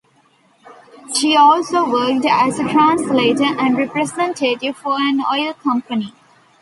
She also worked as a translator and representative for an oil company.